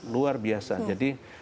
luar biasa jadi